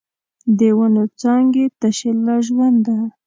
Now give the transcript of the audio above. د ونو څانګې تشې له ژونده